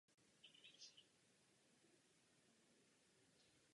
Jeho hlavním polem působnosti byla však taneční a populární hudba.